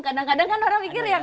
kadang kadang kan orang mikir yang